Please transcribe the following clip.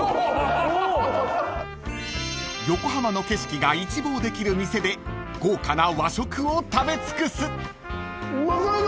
［横浜の景色が一望できる店で豪華な和食を食べ尽くす］